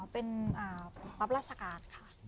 เป็นรับราชการค่ะ